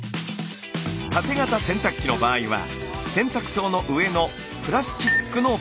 縦型洗濯機の場合は洗濯槽の上のプラスチックの部分。